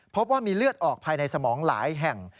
พบว่ามีเลือดออกภายในสมองหลายแห่ง